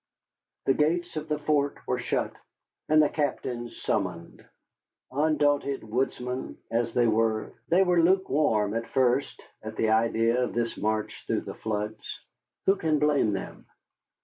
The gates of the fort were shut, and the captains summoned. Undaunted woodsmen as they were, they were lukewarm, at first, at the idea of this march through the floods. Who can blame them?